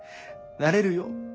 「なれるよ。